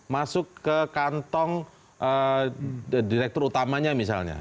masuk ke kantong direktur utamanya misalnya